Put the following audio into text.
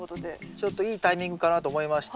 ちょっといいタイミングかなと思いまして